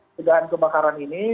tegahan kebakaran ini